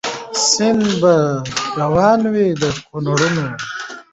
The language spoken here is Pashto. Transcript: سیند به روان وي د کونړونو